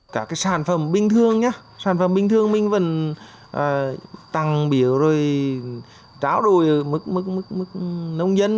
cả cái sản phẩm bình thường nhé sản phẩm bình thường mình vẫn tăng biểu rồi tráo đùi mức nông dân